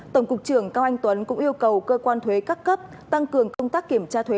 tổng cục trưởng cao anh tuấn cũng yêu cầu cơ quan thuế các cấp tăng cường công tác kiểm tra thuế